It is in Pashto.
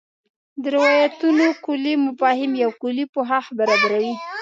د روایتونو کُلي مفاهیم یو کُلي پوښښ برابروي.